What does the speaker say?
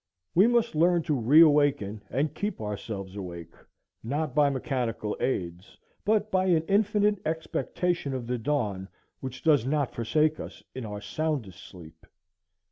We must learn to reawaken and keep ourselves awake, not by mechanical aids, but by an infinite expectation of the dawn, which does not forsake us in our soundest sleep.